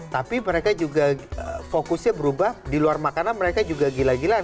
tapi mereka juga fokusnya berubah di luar makanan mereka juga gila gilaan